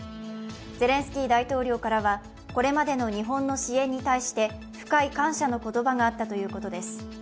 ゼレンスキー大統領からは、これまでの日本の支援に対して深い感謝の言葉があったということです。